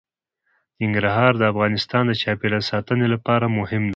ننګرهار د افغانستان د چاپیریال ساتنې لپاره مهم دي.